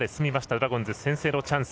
ドラゴンズ先制のチャンス。